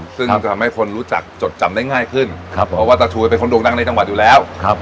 ซึ่งจะทำให้คนรู้จักจดจำได้ง่ายขึ้นครับเพราะว่าตาชวยเป็นคนโด่งดังในจังหวัดอยู่แล้วครับ